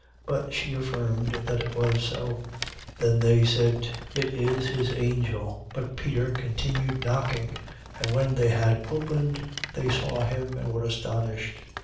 But she affirmed that it was so. Then said they: It is his angel. 12:16. But Peter continued knocking. And when they had opened, they saw him and were astonished.